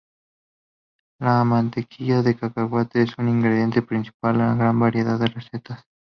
La mantequilla de cacahuete es un ingrediente principal en gran variedad de recetas.